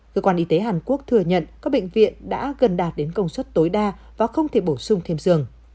cơ quan y tế hàn quốc thừa nhận các bệnh viện đã gần đạt đến công suất tối đa và không thể bổ sung thêm giường